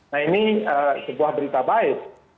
nah ini sebuah berita baik